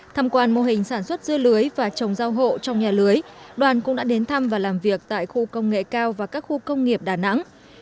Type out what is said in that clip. tham quan mô hình sản xuất dưa lưới và trồng rau hộ trong nhà lưới đoàn cũng đã đến thăm và làm việc tại khu công nghệ cao và các khu công nghiệp đà nẵng